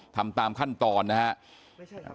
ทำตามขั้นตอนนะครับ